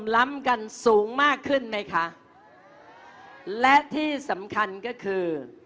ล้ำกันสูงมากขึ้นไหมคะและที่สำคัญก็คือ